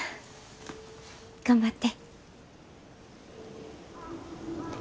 頑張って。